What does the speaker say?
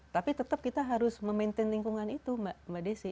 tapi tetap kita harus memaintain lingkungan itu mbak desi